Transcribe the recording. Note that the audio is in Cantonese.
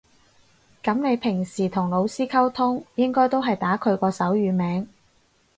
噉你平時同老師溝通應該都係打佢個手語名